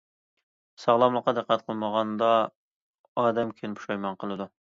ساغلاملىققا دىققەت قىلمىغاندا ئادەم كىيىن پۇشايمان قىلىدۇ.